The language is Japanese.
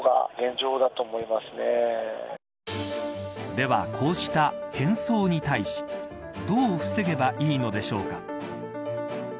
では、こうした変装に対しどう防げばいいのでしょうか。